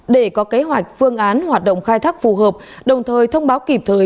để có kế hoạch phương án hoạt động khai thác phù hợp đồng thời thông báo kịp thời